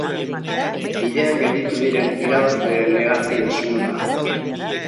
Bidean gelditu diren irabazle negartien sunda.